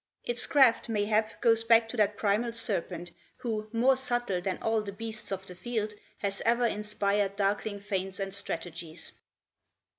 Its craft, mayhap, goes back to that primal serpent who, more subtle than all the beasts of the field, has ever inspired darkling feints and strategies.